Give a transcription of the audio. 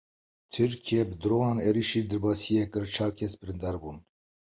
Tirkiyeyê bi dronan êrişî Dirbêsiyê kir, çar kes birîndar bûn.